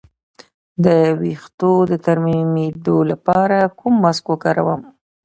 د ویښتو د نرمیدو لپاره کوم ماسک وکاروم؟